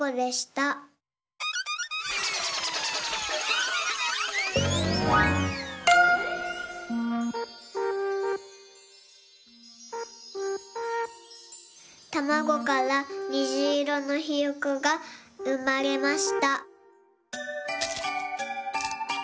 たまごからにじいろのひよこがうまれました。